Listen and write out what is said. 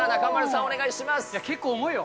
さあ、結構重いよ。